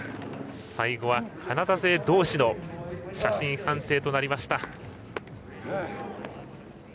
最後はカナダ勢同士の写真判定となりました。